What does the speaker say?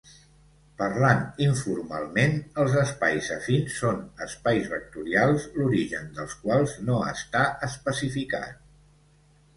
Parlant informalment, els espais afins són espais vectorials l'origen dels quals no està especificat.